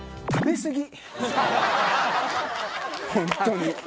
ホントに。